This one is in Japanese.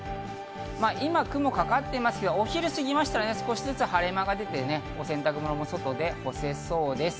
今、雲がかかっていますが、お昼を過ぎましたら、少しずつ晴れ間が出て洗濯物も外で干せそうです。